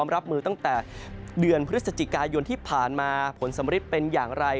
รับมือตั้งแต่เดือนพฤศจิกายนที่ผ่านมาผลสำริดเป็นอย่างไร